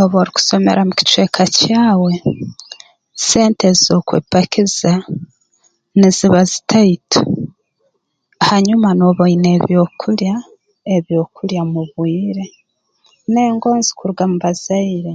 Obu orukusomera mu kicweka kyawe sente ez'okwepakiza niziba zitaito hanyuma nooba oine eby'okulya eby'okulya mu bwire n'engonzi kuruga mu bazaire